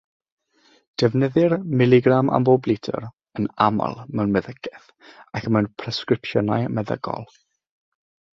Defnyddir miligram am bob litr yn aml mewn meddygaeth ac mewn presgripsiynau meddygol.